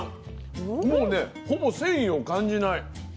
もうねほぼ繊維を感じない。